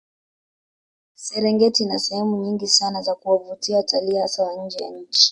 Serengeti ina sehemu nyingi sana za kuwavutia watalii hasa wa nje ya nchi